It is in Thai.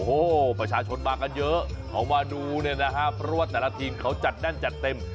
โอ้โหประชาชนมากันเยอะเขามาดูเนี่ยนะฮะเพราะว่าแต่ละทีมเขาจัดแน่นจัดเต็ม